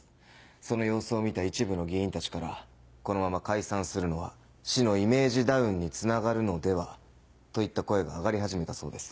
その様子を見た一部の議員たちから「このまま解散するのは市のイメージダウンにつながるのでは」といった声が上がり始めたそうです。